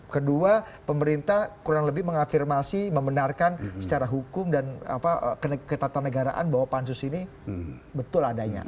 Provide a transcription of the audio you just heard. kedua pemerintah kurang lebih mengafirmasi membenarkan secara hukum dan ketatanegaraan bahwa pansus ini betul adanya